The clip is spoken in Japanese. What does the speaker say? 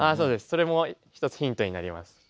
それも一つヒントになります。